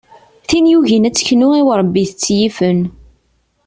Tin yugin ad teknu i urebbit tt-yifen.